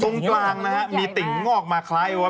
ตรงกลางนะฮะมีติ่งงอกมาคล้ายว่า